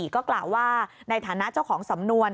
ก็กล่าวว่าในฐานะเจ้าของสำนวน